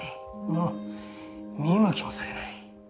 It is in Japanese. もう見向きもされない。